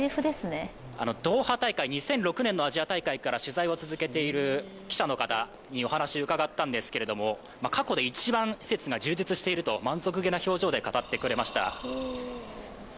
ドーハ大会、２００６年から取材ををしている記者の方に伺ったんですが、過去で一番施設が充実していると満足げな表情で語ってくれました。